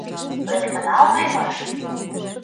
— Лектына уремыш?